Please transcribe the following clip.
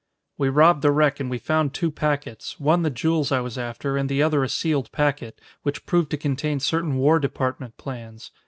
"We robbed the wreck and we found two packets, one the jewels I was after, and the other a sealed packet, which proved to contain certain War Department plans.